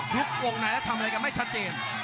ทุกวงไหนทำอะไรกันไม่ชัดเจน